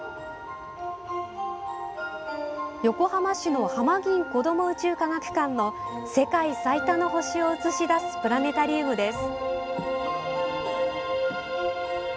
横浜市の「はまぎんこども宇宙科学館」の世界最多の星を映し出すプラネタリウムです。